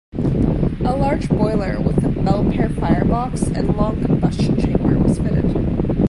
A large boiler with a Belpaire firebox and long combustion chamber was fitted.